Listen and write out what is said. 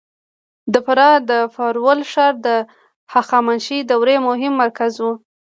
د فراه د فارول ښار د هخامنشي دورې مهم مرکز و